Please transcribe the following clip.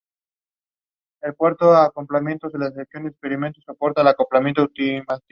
Le dijo a su equipo: "Todo llega a su fin; nada dura para siempre.